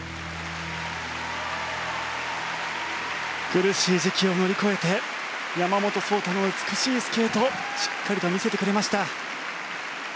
苦しい時期を乗り越えて山本草太の美しいスケートをしっかりと見せてくれました。